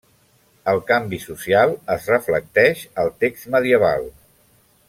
El canvi social es reflecteix al text medieval.